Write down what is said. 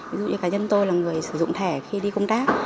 ví dụ như cá nhân tôi là người sử dụng thẻ khi đi công tác